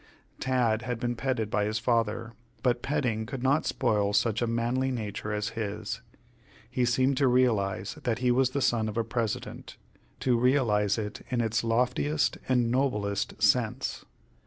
Tad had been petted by his father, but petting could not spoil such a manly nature as his. He seemed to realize that he was the son of a President to realize it in its loftiest and noblest sense.